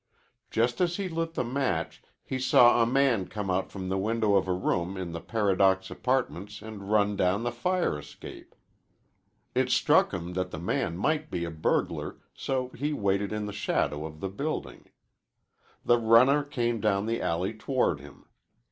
Just as he lit the match he saw a man come out from the window of a room in the Paradox Apartments and run down the fire escape. It struck him that the man might be a burglar, so he waited in the shadow of the building. The runner came down the alley toward him.